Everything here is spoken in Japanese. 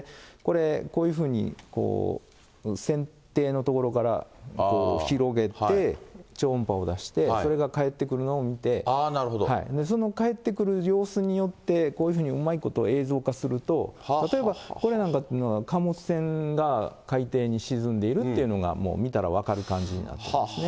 こういうふうに船底の所から広げて、超音波を出して、それが返ってくるのを見て、その返ってくる様子によって、こういうふうにうまいこと映像化すると、例えばこれなんかっていうのは貨物船が海底に沈んでいるっていうのがもう見たら分かる感じになってるんですね。